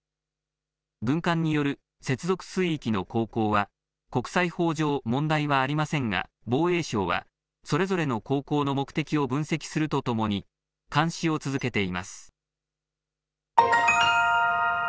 軍艦による接続水域の航行は国際法上、問題はありませんが防衛省はそれぞれの航行の目的を分析するとともに監視を続けています。